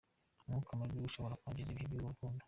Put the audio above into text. Umwuka mubi ushobora kwangiza ibihe by’urwo rukundo.